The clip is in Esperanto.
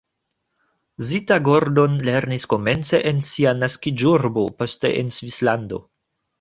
Zita Gordon lernis komence en sia naskiĝurbo, poste en Svislando.